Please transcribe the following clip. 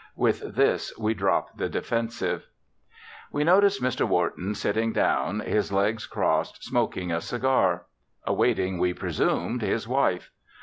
With this we drop the defensive. We noticed Mr. Wharton sitting down, legs crossed, smoking a cigar. Awaiting, we presumed, his wife.